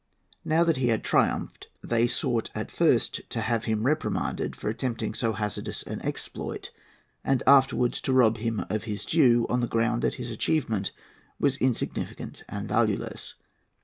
Now that he had triumphed, they sought at first to have him reprimanded for attempting so hazardous an exploit, and afterwards to rob him of his due on the ground that his achievement was insignificant and valueless.